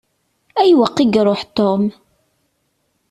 Ayweq i iṛuḥ Tom?